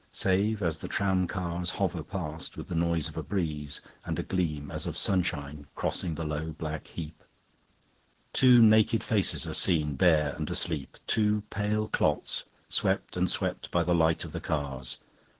Save, as the tram cars hoverPast with the noise of a breezeAnd gleam as of sunshine crossing the low black heap, Two naked faces are seenBare and asleep, Two pale clots swept and swept by the light of the cars.